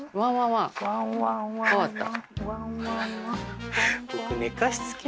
変わった。